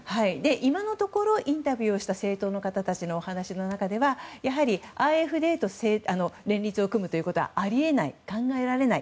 今のところインタビューをした政党の方たちのお話の中ではＡｆＤと連立を組むということはあり得ない、考えられない。